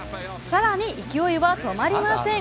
さらに勢いは止まりません。